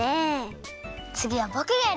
つぎはぼくがやります！